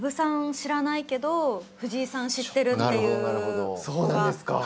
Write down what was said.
知らないけど藤井さん知ってるっていう子が出てきてますね。